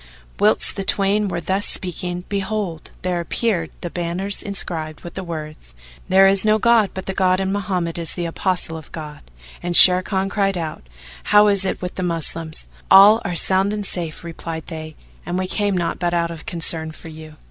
Whilst the twain were thus speaking, behold, there appeared the banners inscribed with the words, "There is no god but the God and Mohammed is the Apostle of God;" and Sharrkan cried out, "How is it with the Moslems?" "All are sound and safe," replied they, "and we came not but out of concern for you."